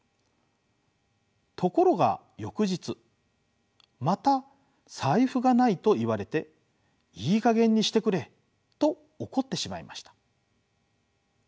ところが翌日また財布がないと言われていい加減にしてくれと怒ってしまいました。